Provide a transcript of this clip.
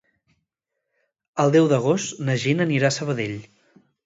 El deu d'agost na Gina anirà a Sabadell.